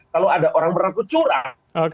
kalau ada orang beraku curang